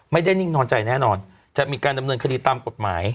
นิ่งนอนใจแน่นอนจะมีการดำเนินคดีตามกฎหมาย